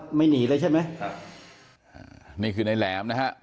เท่านี้ตรงนั้นหลีนเฉาหัวเนี้ยนะครับผมวานี้ตัดสินใจยอมรับจะไม่หนีเลยใช่ไหม